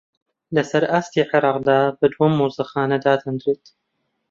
لەسەر ئاستی عێراقدا بە دووەم مۆزەخانە دادەنرێت